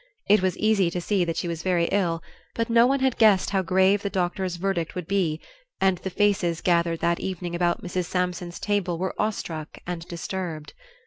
It was easy to see that she was very ill, but no one had guessed how grave the doctor's verdict would be, and the faces gathered that evening about Mrs. Sampson's table were awestruck and disturbed.